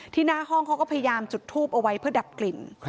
หน้าห้องเขาก็พยายามจุดทูปเอาไว้เพื่อดับกลิ่น